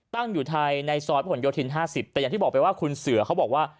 ตั้งอยู่ไทยในซอร์ฟพระขนโยธินห้าสิบแต่อย่างที่บอกไปว่าคุณเสือเขาบอกว่า